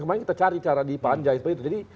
kemarin kita cari cara di panja jadi